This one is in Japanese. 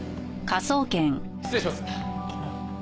失礼します。